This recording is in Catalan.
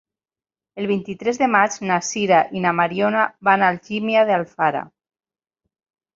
El vint-i-tres de maig na Sira i na Mariona van a Algímia d'Alfara.